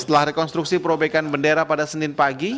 setelah rekonstruksi perobekan bendera pada senin pagi